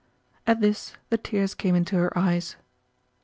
At this the tears came into her eyes.